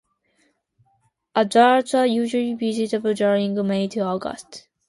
Adults are usually visible during May to August.